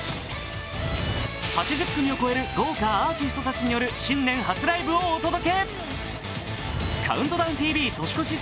８０組を超える豪華アーティストたちによる新年初ライブをお届け。